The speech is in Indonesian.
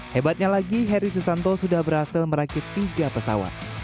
hebatnya lagi heri susanto sudah berhasil merakit tiga pesawat